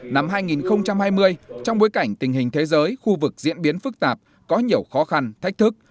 năm hai nghìn hai mươi trong bối cảnh tình hình thế giới khu vực diễn biến phức tạp có nhiều khó khăn thách thức